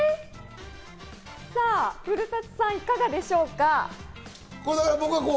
さぁ古舘さん、いかがでしょうか？